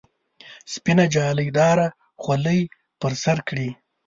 سپینه جالۍ داره خولۍ پر سر کړي.